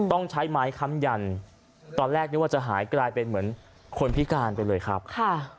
ต้องใช้ไม้ค้ำยันตอนแรกนึกว่าจะหายกลายเป็นเหมือนคนพิการไปเลยครับค่ะ